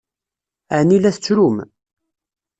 Ɛni la tettrum?